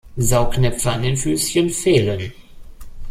Saugnäpfe an den Füßchen fehlen.